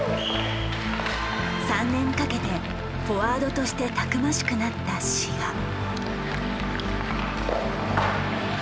３年かけてフォワードとしてたくましくなった志賀。